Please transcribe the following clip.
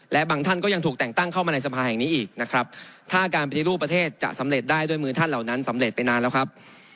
และบางท่านก็ยังถูกแต่งตั้งเข้ามาในสภาแห่งนี้อีกนะครับถ้าการปฏิรูปประเทศจะสำเร็จได้ด้วยมือท่านเหล่านั้นสำเร็จไปนานแล้วครับ